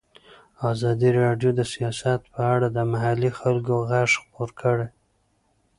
ازادي راډیو د سیاست په اړه د محلي خلکو غږ خپور کړی.